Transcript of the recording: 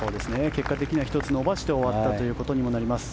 結果的には１つ伸ばして終わったことになります。